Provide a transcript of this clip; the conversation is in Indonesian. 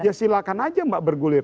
ya silakan aja mbak bergulir